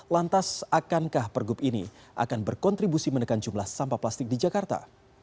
lantas akankah pergub ini akan berkontribusi menekan jumlah sampah plastik di jakarta